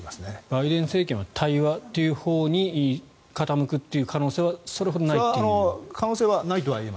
バイデン政権は対話というほうに傾くという可能性はそれほどないという。